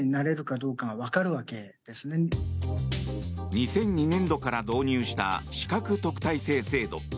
２００２年度から導入した資格特待生制度。